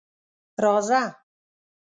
_راځه.